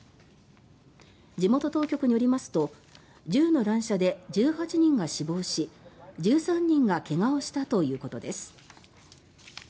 地元当局によりますと銃の乱射で１８人が死亡し１３人が怪我をしたということです。